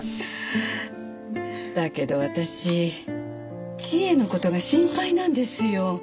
だけど私ちえのことが心配なんですよ。